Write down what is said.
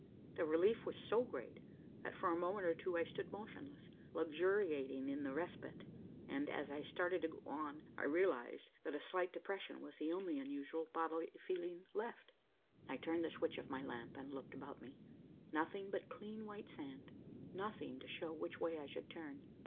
The relief was so great that for a moment or two I stood motionless, luxuriating in the respite and, as I started to go on, I realized that a slight depression was the only unusual bodily feeling left. I turned the switch of my lamp and looked about me. Nothing but clean, white sand, nothing to show which way I should turn.